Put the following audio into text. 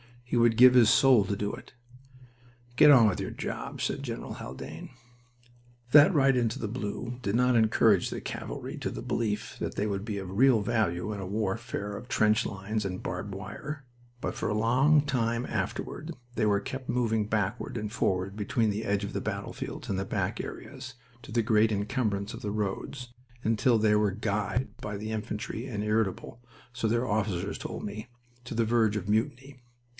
He would give his soul to do it. "Get on with your job," said General Haldane. That ride into the blue did not encourage the cavalry to the belief that they would be of real value in a warfare of trench lines and barbed wire, but for a long time later they were kept moving backward and forward between the edge of the battlefields and the back areas, to the great incumbrance of the roads, until they were "guyed" by the infantry, and irritable, so their officers told me, to the verge of mutiny.